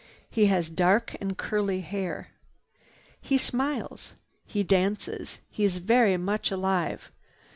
He has dark and curly hair. He smiles. He dances. He is very much alive.